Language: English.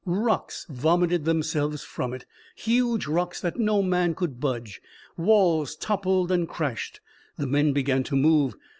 Rocks vomited themselves from it huge rocks that no man could budge. Walls toppled and crashed. The men began to move.